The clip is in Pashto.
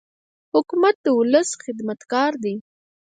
حکومت د ولس خدمتګار دی.